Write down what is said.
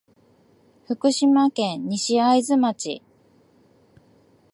福島県西会津町